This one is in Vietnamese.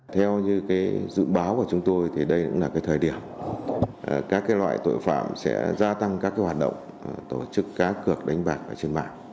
theo như dự báo của chúng tôi thì đây cũng là thời điểm các loại tội phạm sẽ gia tăng các hoạt động tổ chức cá cược đánh bạc trên mạng